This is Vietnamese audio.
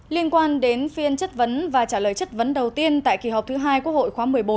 liên quan đến phiên chất vấn và trả lời chất vấn đầu tiên tại kỳ họp thứ hai quốc hội khóa một mươi bốn